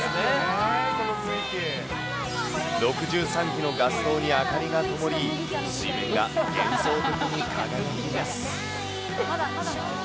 ６３基のガス灯に明かりがともり、水面が幻想的に輝きます。